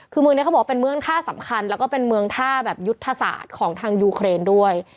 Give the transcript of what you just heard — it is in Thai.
คือเมืองนี้เขาบอกว่าเป็นเมืองท่าสำคัญแล้วก็เป็นเมืองท่าแบบยุทธศาสตร์ของทางยูเครนด้วย